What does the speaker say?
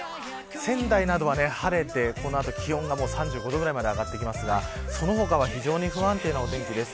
仙台などは晴れてこの後、気温が３５度くらいまで上がっていきますがその他は非常に不安定な天気です。